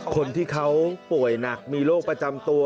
คนที่เขาป่วยหนักมีโรคประจำตัว